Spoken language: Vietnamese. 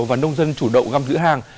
và nông dân chủ động găm giữ hàng